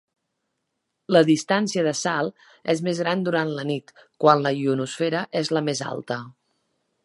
La distància de salt és més gran durant la nit quan la ionosfera es la més alta.